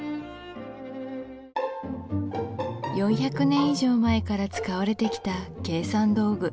４００年以上前から使われてきた計算道具